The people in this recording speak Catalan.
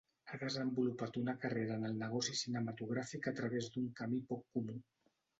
Ha desenvolupat una carrera en el negoci cinematogràfic a través d'un camí poc comú.